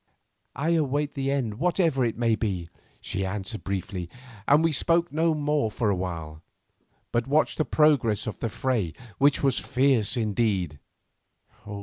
"I await the end whatever it may be," she answered briefly, and we spoke no more for a while, but watched the progress of the fray, which was fierce indeed.